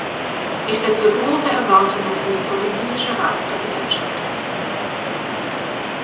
Ich setze große Erwartungen in die portugiesische Ratspräsidentschaft.